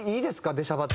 出しゃばって。